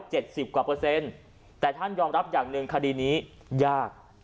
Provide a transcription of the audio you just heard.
สิบกว่าเปอร์เซ็นต์แต่ท่านยอมรับอย่างหนึ่งคดีนี้ยาก